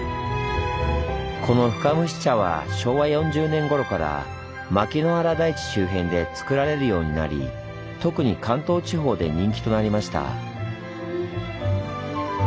この深蒸し茶は昭和４０年ごろから牧之原台地周辺で作られるようになり特に関東地方で人気となりました。